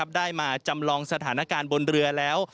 ได้มาจำลองสถานการณ์บนเรือแล้ว